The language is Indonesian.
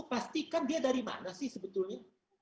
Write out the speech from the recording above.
pastikan dia dari mana sih sebetulnya